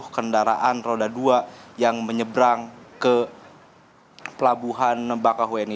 kendaraan roda dua yang menyeberang ke pelabuhan bakahueni